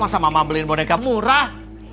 masa mama beliin boneka murah